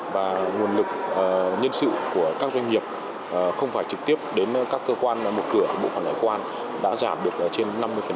và nguồn lực nhân sự của các doanh nghiệp không phải trực tiếp đến các cơ quan mục cửa bộ phần hải quan đã giảm được trên năm mươi